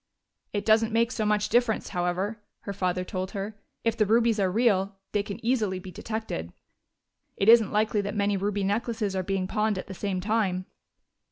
"It doesn't make so much difference, however," her father told her. "If the rubies are real, they can easily be detected. It isn't likely that many ruby necklaces are being pawned at the same time."